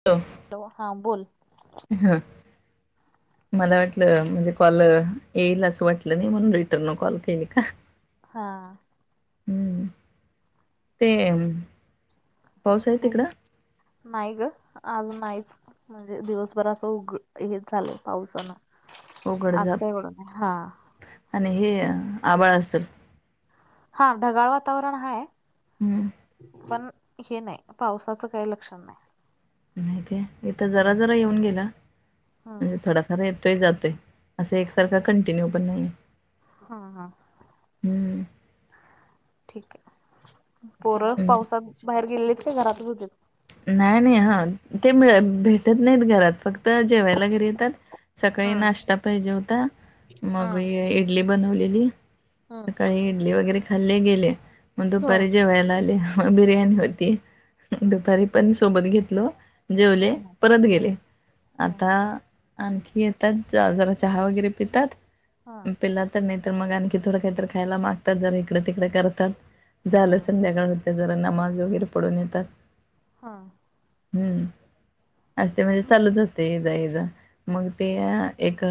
[unintelligible] Hello, हां बोल. ह. मला वाटलं, म्हणजे कॉल येईल असं वाटलं नाही. म्हणून रिटर्न कॉल केली का? हा. हम्म, ते पाऊस आहे बोल. तिकडं नाही ग! आज नाहीच. म्हणजे, दिवसभर असं उग हे झालंय, पावसान. अवघड आज झाप काय एवढं नाही, हा. आणि हे, आबाळ असल. हा, ढगाळ वातावरण हाय. हम्म पण हे नाही. पावसाचं काही लक्षण नाही. नाही तेे. इथं जरा- जरा येऊन गेला. हम्म म्हणजे थ येतोय- जातोय. असं, एकसारखा कंटिन्यू पण नाही. हा, हा. हम्म ठीकय. पोरं, न- पावसात, बाहेर गेलेलेत का? घरातच होते. नाही -नाही. ह, ते मिळ भेटत नाहीत घरात. फक्त, जेवायला घरी येतात. सकाळी हा नाश्ता पाहिजे होता. हा मग य इडली बनवलेली. हा सकाळी इडली वगैरे खाल्ले, गेले. मग हा दुपारी जेवायला आले. बिर्याणी होती. दुपारी पण सोबत घेतलो. जेवले, हा परत हा हा गेले. आता हा आणखी येतात, जा जरा चहा वगैरे पितात. हा पिला तर नाही मग आणखी थोडं काही तर खायला मागतात. जरा इकडे- तिकडे करतात. हा हा झालं. संध्याकाळ होत जरा नमाज वगैरे पडून येतात. हा. हम्म. अस ते म्हणजे चालूच असतेय. ये - जा, ये -जा. मग ते एक,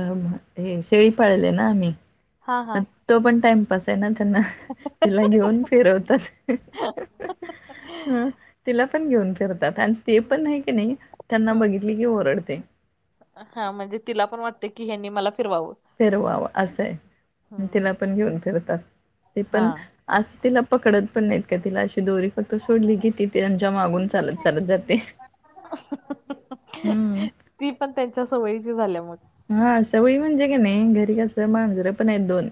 हे शेळी पाळले ना आम्ही. हा हा पण, तो पण टाइमपास त्यांना. त्यांना. तिला घेऊन फिरवतात. [unintelligible] हम, तिला पण घेऊन फिरतात. आन ते पण हाय की नाही, त्यांना हा बघितली की, ओरडते. हा, म्हणजे तिला पण वाटते की, हेनी मला फिरवावं. फिरवावं असं आहे तिला हम्म पण घेऊन फिरतात ते पण असं तिला पकडत पण नाहीत का तिला अशी दोरी फक्त त सोडली किती ते त्यांच्या मागून हा चालत चालत जाते हम्म ती पण त्यांच्या सवयीची झाल्या मग हा सवय म्हणजे कनेय घरी कस मांजरं पण आहेत दोन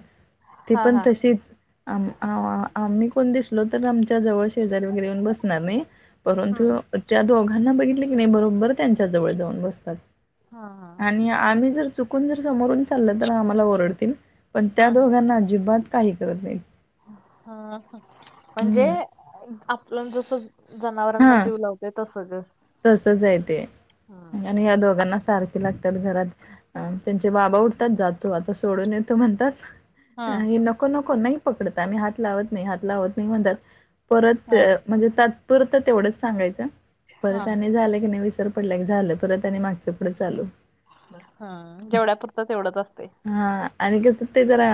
ती हा पण हा तशीच अम्ही आ आम्ही कोण दिसलो तर आमच्या जवळ शेजारी वगैरे येऊन बसणार नाही परंतु हम त्या दोघांना बघितले की नाही बरोबर त्यांच्या जवळ जाऊन बसतात. हा आणि आम्ही जर चुकून जर समोरून चालल तर आम्हाला ओरडतील पण त्या हम दोघांना अजिबात काही करत नाही हा म्हणजे हं. आपलं जस जनावरांना हां. जीव लावते तस ग तसंच आहे ते हा आणि या दोघांना सारखी लागते घरात त्यांचे बाबा उठतात जातो आता सोडून येतो म्हणतात हे हा नको नको नाही पकडत आम्ही हात लावत नाही हात लावत नाही म्हणतात परत म्हणजे तात्पुरता तेवढंच सांगायचं हा परत झालं की नाही वि पडल्या झालं परत त्यां आणि मागचं पुढं चालू हम्म जेवढ्या पुरतं तेवढंच असते हा आणि कसं ते जरा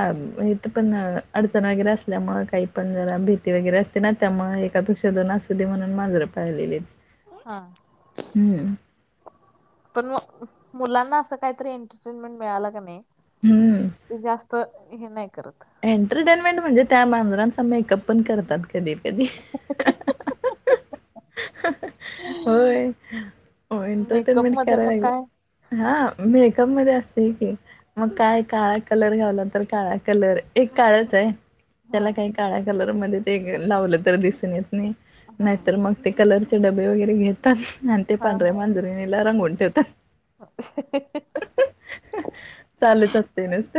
इथं पण अडचण वगैरे असल्यामुळं काही पण जरा भीती वगैरे असते ना त्यामुळे एकापेक्षा दोन असू दे म्हणून मांजरं पाळलेली हायत हा पण मुलांना असं काहीतरी एंटरटेनमेंट मिळाला कने हम्म ते जास्त हे नाही करत एंटरटेनमेंट म्हणजे त्या मांजरांचा मेकअप पण करतात कधी कधी होय होय मेकअप एंटरटेनमेंट मध्ये करायला मग लागेल काय हा मेकअप मध्ये असतोय की हा काय काय कलर घालत तर काळा कलर एक काळ्याच आहे हा त्याला काही काळ्या कलरमध्ये ते लावलं तर दिसून येत नाही हा नाहीतर मग ते कलरचे डबे वगैरे घेतात आणि ते हा पांढऱ्या हा मांजरणीला रंगून ठेवतात चालूच असतय नुसत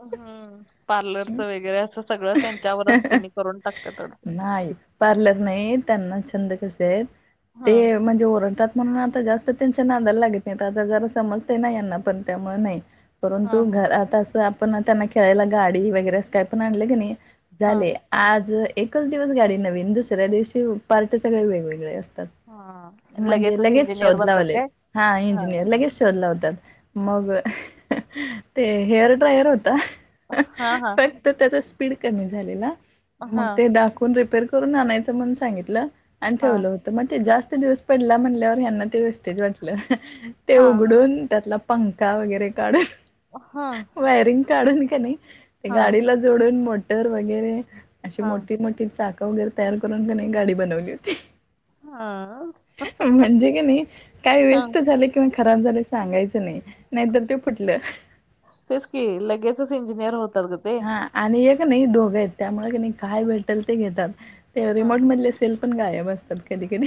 हम्म पार्लरच वगैरे असं सगळं त्यांच्यावरच त्यांनी करून टाकत्यात वाडत नाही पार्लर नाही त्यांना छंद कसे आहे हा ते म्हणजे ओरडतात म्हणून आता जास्त त्यांच्या नादायला लागत नाही जरा समजत नाही यांना पण त्यामुळे नाही हा परंतु हा घर आता असं आपण त्यांना खेळायला गाडी वगैरे अस काय पण आणले क नाही हा झाले आज एकच दिवस गाडी नवीन दुसऱ्या दिवशी पार्ट सगळे वेगवेगळे असतात हा म्हणजे लगेचच लगेच इंजिनियर बनतात शोधलाल काय? हा इंजिनियर लगेच धत म ड्रायर होता हा हा त्या स्पीड क झाली मग हा दावून रप करून आणायच म सांगितलं आणि हा ठेवलं होत मग ते जास्त दिवस पडला म्हटल्यावर हना ते वेस्टेज वाटलं ते हा उघडून त्यातला पंखा वगैरे काढून हा वायरिंग काढून का नाही हा गाडीला जोडून मोटर वगैरे अशी हा मोठी मोठी चाख वगैरे तयार करून त्यां गाडी बनवली होती हा म्हणजे क नाही काय हा वेस्ट झालं किंवा खराब झाले सांगायचं नाही नाहीतर ते फुटलं तेच की लगेच च इंजिनियर होतात ग ते हा आणि एक नाही दोघं आहेत त्यामुळे कने काय भेटल ते घेतात ते हा रिमोट मधले सेल पण गायब असतात कधी कधी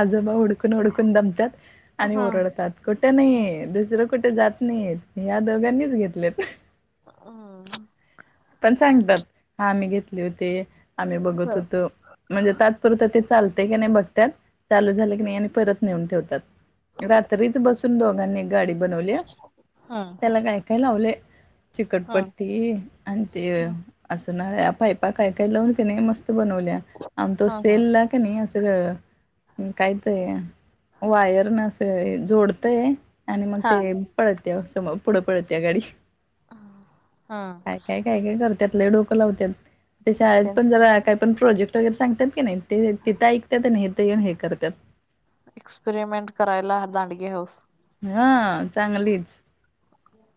आजोबा हुड हुड कून हुडकून दमतात आणि हा ओरडतात कुठे हम्म नाही दुसरं को कुठ जात नाहीत या दोघांनीच घेतलेत. [inaudible] पण सांगतात हा आम्ही घेतले होते आम्ही बघत होतो. म्हणजे तात्पुरत ते चालतय की नाही बघत्यात चालू झाले की नाही आणि परत नेऊन ठेवतात. रात्रीच बसून दोघांनी गाडी बनवल्या त्याला काय काय लावलय हा चिकटपट्टी आणि ते असं नळ्या पायपा काय काय लावून की नाही मस्त बनवल्या आम तो हा सेलला - कनी असं - - काय ते वायरन अस जोडतय. आणि मग हा ते पळत्या समो पुढं पळत्या गाडी हा काय काय काय काय करत्यात लई डोकं लावत्यात ते शाळेत त्यां पण जरा काय पण प्रोजेक्ट वगैरे सांगतात की नाही ते तिथ ऐकतात आणि इथ येऊन हे करत्यात एक्सपेरिमेंट करायला हा दांडगी हाऊस. हा चांगलीच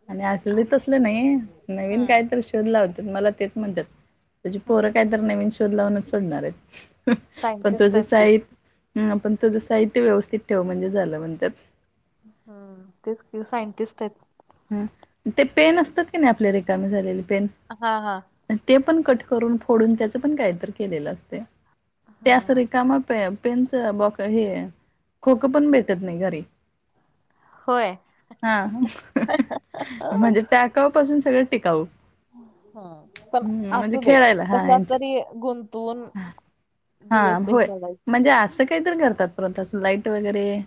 आणि असली तसल नाही नवीन कायतरी शिक शोध लावल्यात मला तेच म्हणत्यात तुझी पोरं काय तर नवीन शोध लावूनच सोडणार आहेत. पण सायंटिस्ट तुझं आहेत ते साहित ह पण तुझं साहित्य व्यवस्थित ठेव म्हणजे झालं म्हणत्यात हम् तेच सायंटिस्ट हाईत. ह ते पेन असतात की नाही आपल्या रेिकामे झालेले पेन हा हा अन ते पण कट करून फोडून त्याचं पण काहीतर केलेलं असतय. हा त्या अस हा रिकामा पे पेनच बॉक हे मोकळ खोक पण भेटत नाही घरी होय हा अ म्हणजे टाकावपासून सगळं टिकाऊ ह पण हम्म म्हणजे असू दे खेळायला हा यांच्या कशाततरी गुंतवून हा दिवस हे होय करायच. म्हणजे असं ते तर करत्यात परत तस लाईट वगैरे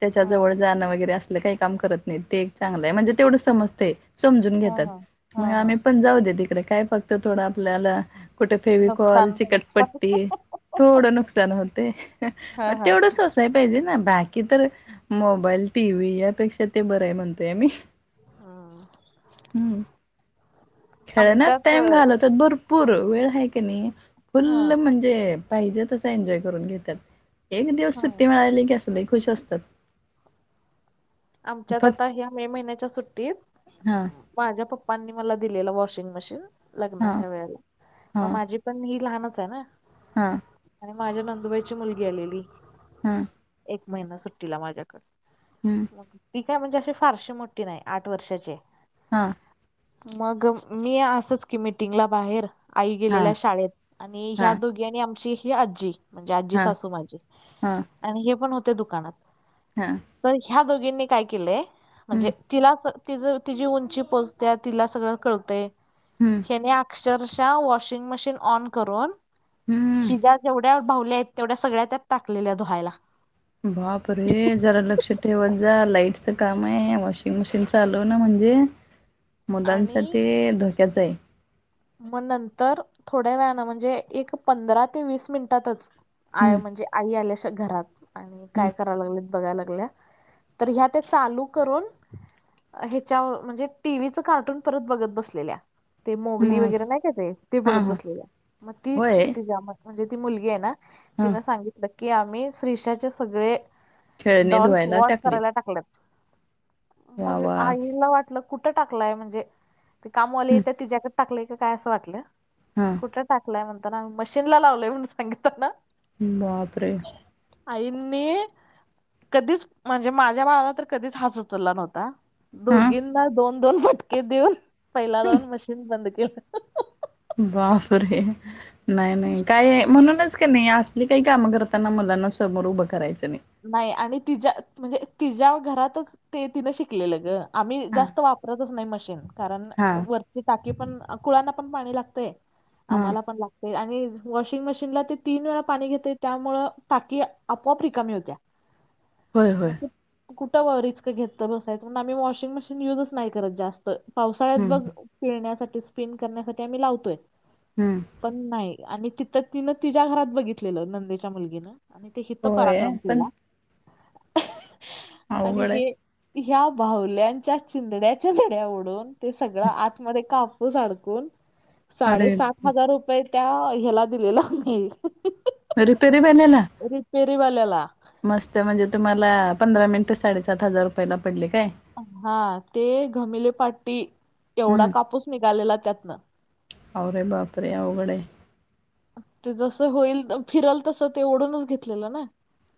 त्याच्या हा. जवळ जाण वगैरे अस असल काय काम करत नाहीत ते एक चांगलय म्हणजे तेवढं समजतय समजून हा घेतात हा हा मग हा आम्ही पण जाऊ दे तिकड काय फक्त थोडं आपल्याला कुठ फेविकॉल नुकसान नुकसान चिकटपट्टी थोडं नुकसान होतय हा मग हा. तेवढं सोसा - य पाहिजे ना बाकी तर मोबाईल टी व्ही यापेक्षा ते बराय म्हणतोय आम्ही हम्म खेळन्यात आमच्यात टाईम घालवत्यात भर - पूर वेळ हाय की नई हा फुल्ल म्हणजे पाहिजे तस एन्जॉय करून घेत्यात एक दिवस हा सुट्टी मिळाली की अस लई खुश असत्यात आमच्यात फक्त आता ह्या मे महिन्याच्या सुट्टीत - - हा. माझ्या पप्पांनी मला दिलेला वॉशिंग मशीन हा लग्नाच्या वेळेला म हा माझी पण ही लहानच आहे ना. हा. आणि माझ्या नंदुबाईची मुलगी आलेली हा एक महिना सुट्टीला माझ्याकड हम्म. ती काय म्हणजे अशी फारशी मोठी नाही आठ वर्षाचीय - हा. मग मी असच की मीटिंगला बाहेर आई हा गेलेल्या शाळेत आणि ह्या हा दोघी आणि आमची ही आजी म्हणजे आजी हा सासू माझी आणि हे पण होते दुकानात हां. तर ह्या दोघींनी काय केलंय म्हणजे हम्म तिलाच तिज तिची उंची पोचत्या तिला सगळं कळतय हम्म. यांनी अक्षरशा वाॅशिंग मशीन ऑन करुन हम्म हिच्या जेवढ्या भावल्या आहेत तेवढ्या सगळ्या त्यात टकलेल्या धुहायला बाप रे जरा लक्ष ठेवत जा लाईटच काम आहे वॉशिंग मशीन चालू ना म्हणजे. आणि मुलांसाठी धोक्याच आहे. मग नंतर थोड्या वेळाला म्हणजे एक पंधरा ते वीस मिनिटातच. आ हम्म म्हणजे आई आल्या घरात. आणि हम्म काय कराय लागले बघाय लागल्या तर ह्या त्या चालू करून ह्याच्या म्हणजे टिव्हिच कार्टून परत बघत बसले मुली वगैरे मस्त नाही का ते ते हा बघत हा बसलेल्या मग ती होय कषती म्हणजे ती मुलगी आहे ना. हा तिन सांगितलं की आम्ही श्रीषाचे सगळे खेळणे डॉल्स धुवायला वॉश टाकली करायला टाकलेत. वा मग वा आईला वाटलं कुठ टाकलंय म्हणजे ते कामाले येतं तिच्याक टाकय काय असं वाटलं. हा. कठ टाकलाय म्हणता ना मशीनला लावलय म्हणून सांगित ना बापरे! आईनी कधीच म्हणजे माझ्या बाळाला तर कधीच हाच उचलला नव्हता. हा दोघींना दोन दोन फटके देऊन पहिला जाऊन मशीन बंद केलं. बापरे! नाही नाही काय म्हणूनच का नाही असली काही कामं करताना मुलांना समोर उभं करायचं नाही. नाही आणि तिच्या म्हणजे तिच्या्या घरातच ते तिनं शिकलेलं ग आम्ही हा जास्त वापरतच नाही मशीन कारण हा वरची टाकी पण कुळांना पण पाणी लागतय. हा आम्हाला पण लागते आणि. वॉशिंग मशीनला ते तीन वेळा पाणी घेते त्यामुळ टाकी आपोआप रिकमी होते. होय होय मजे. कुठं व रिस्क घेतल बसायच मण आम्ही वॉशिंग मशीन युजच नाही करत जास्त तर पावसाळ्यात बघ हम्म खिळण्यासाठी स्पिन करण्यासाठी आम्ही लावतोय हम्म पण नाही. आणि तिथं तिनं तिच्या्या घरात बघितलेलं नंदेच्या मुलगीनं आणि ते हितं होय पराक्रम पण केला आणि अवघड आहे हे ह्या बाहुल्यांच्या चिंदड्याच्या झड्या उओडून ते सगळं आतमध्ये काप होडकून अरे साडेसात हजार रुपये त्या हला दिलेला म रिपेरी वाल्याला रिपेरी वाल्याला मस्त म्हणजे तुम्हाला पंधरा मिनिटे साडेसात हजार रुपयाला पडले काय? हा ते घमिली पाट्टी एवढा हम्म कापूस निघालेला त्यातनं अरे बाप रे! अवघड आहे. ते जसं होईल फिरल तसं ते ओढूनच घेतलेलं ना.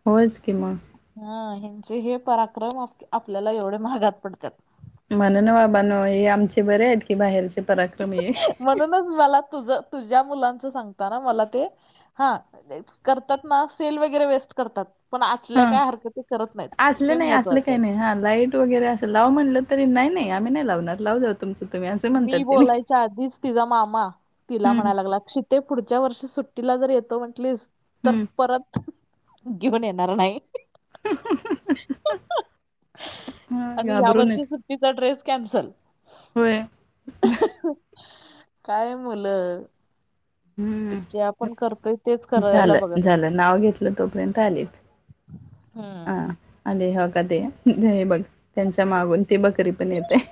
होयच की मग. हा ह्यांचे हे पराक्रम आपल्याला एवढे महागात पडतात म्हण ना बाबा न हे आमचे बरे आहेत की बाहेरचे पराक्रम हे म्हणूनच मला तुझ तुझ्या मुलांच सांगताना मला ते हा करतात ना सेल वगैरे वेस्ट करतात. पण असल्या हा काय हरकत करत नाहीत हे असलं नाही असलं महत्त्वाचं काही आहे. नाही हा लाईट वगैरे असं लाव म्हणलं तर नाही नाही आम्ही नाही लावणार लाव जाात तुमच तु मी बोलायच्या आधीच तिचा मामा तिला हम्म म्हणायला लागला शीख ते पुढच्या वर्षी सुट्टीला जर येतो म्हंटलीस तर हम्म परत घीऊन येणार नाही. हं हं ह अ [unintelligible] आनि ह्या वर्षी सुट्टीचा ड्रेस कॅन्सल. होय अ हं हं काय मुलं. जे हम् आपण करतोय तेच करायला झालं बघत असतात. झालं नाव घेतलं तोपर्यंत आलीत. आ हम्म. आली हो का दे दे बघ. त्यांच्या मागून ती बकरी पण येतेह.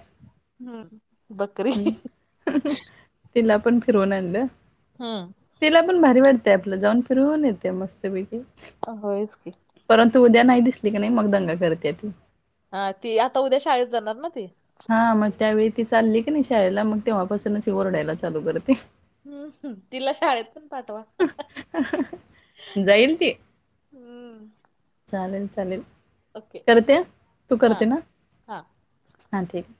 हम्म बकरी. अ हं तिला पण फिरवून आणलं. हम्. तिला पण भारी वाटते आपलं जाऊन फिरुन येते मस्तपैकी. होयच की. परंतु उद्या नाई दिसली क नाई नाही मग दंगा करत्यात. हां ती आता उद्या शाळेत जाणार ना ती? हां म त्यावेळी ती चालली क नाई शाळेला मग तेव्हापासूनच हि ओरडायला चालू करते. हम् हम तिला शाळेत पण पाठवा. अ हं हं जाईल ती हम्म. चालेल चालेल. ओके काय बोलते तू हा करते ना हा. हा ठीक.